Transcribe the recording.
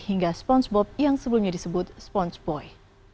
hingga spongebob yang sebelumnya disebut spongeboy